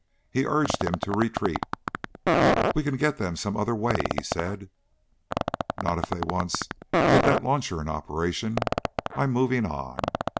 He urged him to retreat. "We can get them some other way," he said. "Not if they once get that launcher in operation. I'm moving on."